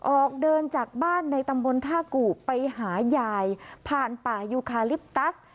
ออกเดินจากบ้านในตำบลท่ากู่ไปหายายผ่านป่ายูคาลิปตัส